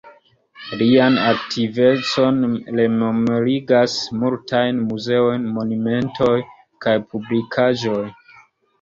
Lian aktivecon rememorigas multaj muzeoj, monumentoj kaj publikaĵoj.